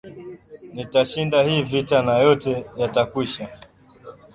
Nitashinda hii vita na yote yatakwisha